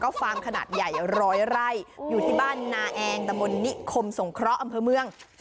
ฟาร์มขนาดใหญ่ร้อยไร่อยู่ที่บ้านนาแองตะบนนิคมสงเคราะห์อำเภอเมือง